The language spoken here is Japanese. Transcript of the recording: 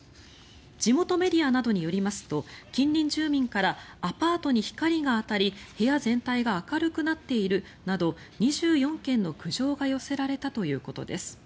地元メディアなどによりますと近隣住民からアパートに光が当たり部屋全体が明るくなっているなど２４件の苦情が寄せられたということです。